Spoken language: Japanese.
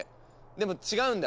でも違うんだ。